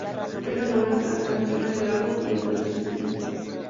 Es la novena canción en el álbum y el tercer sencillo.